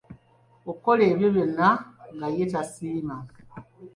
Okukola ebyo byonna nga ye tasiima